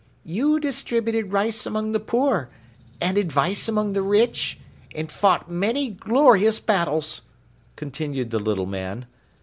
"You distributed rice among the poor, and advice among the rich, and fought many glorious battles," continued the little man.